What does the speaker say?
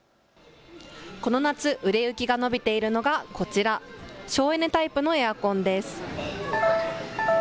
この夏、売れ行きが伸びているのがこちら省エネタイプのエアコンです。